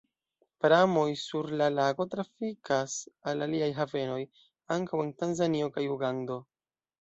Pramoj sur la lago trafikas al aliaj havenoj, ankaŭ en Tanzanio kaj Ugando.